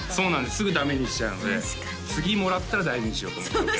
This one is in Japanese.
すぐにダメにしちゃうので次もらったら大事にしようと思ってます